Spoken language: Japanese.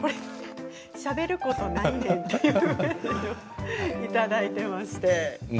しゃべることないねんといただいていまして。